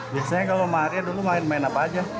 biasanya kalau maria dulu main main apa aja